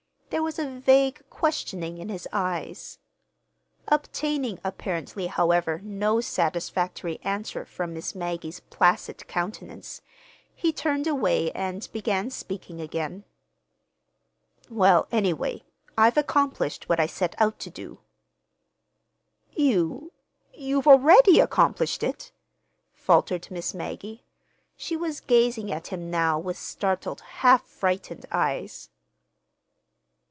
There was a vague questioning in his eyes. Obtaining, apparently, however, no satisfactory answer from Miss Maggie's placid countenance, he turned away and began speaking again. "Well, anyway, I've accomplished what I set out to do." "You you've already accomplished it?" faltered Miss Maggie. She was gazing at him now with startled, half frightened eyes.